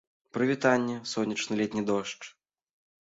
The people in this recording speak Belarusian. Прывітанне, сонечны летні дождж!